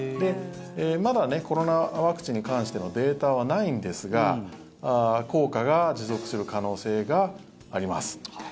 まだコロナワクチンに関してのデータはないんですが効果が持続する可能性があります。